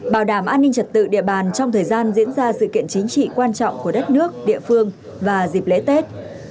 bảo đảm an ninh trật tự địa bàn trong thời gian diễn ra sự kiện chính trị quan trọng của đất nước địa phương và dịp lễ tết